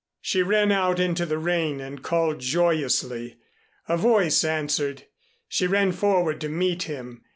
She ran out into the rain and called joyously. A voice answered. She ran forward to meet him.